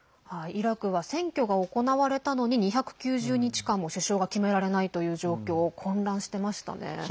イラクは、選挙が行われたのに２９０日間も首相が決められないという状況混乱していましたね。